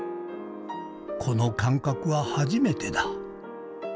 この感覚は始めてだ。